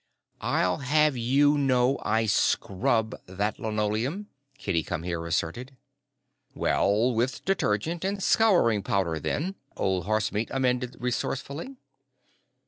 "I'll have you know I scrub that linoleum," Kitty Come Here asserted. "Well, with detergent and scouring powder, then," Old Horsemeat amended resourcefully.